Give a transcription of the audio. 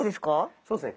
そうですね